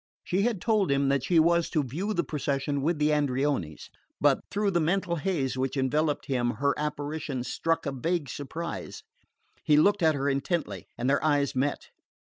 She had told him that she was to view the procession with the Andreonis; but through the mental haze which enveloped him her apparition struck a vague surprise. He looked at her intently, and their eyes met.